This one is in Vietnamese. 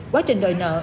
quá trình đòi nợ